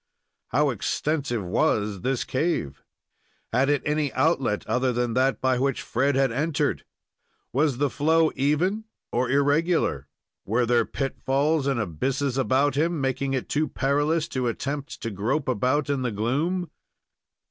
How extensive was this cave? Had it any outlet other than that by which Fred had entered? Was the flow even or irregular? Were there pitfalls and abysses about him, making it too perilous to attempt to grope about in the gloom?